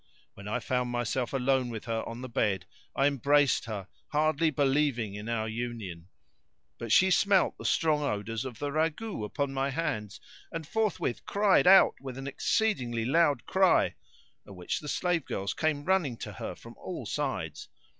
When I found myself alone with her on the bed I embraced her, hardly believing in our union; but she smelt the strong odours of the ragout upon my hands and forth with cried out with an exceeding loud cry, at which the slave girls came running to her from all sides.